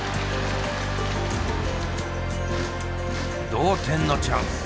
同点のチャンス。